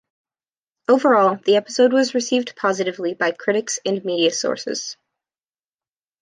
Overall, the episode was received positively by critics and media sources.